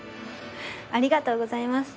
ありがとうございます。